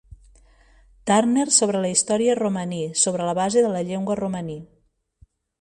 Turner sobre la història romaní sobre la base de la llengua romaní.